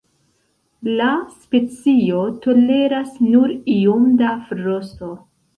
La specio toleras nur iom da frosto.